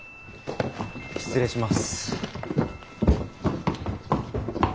失礼します。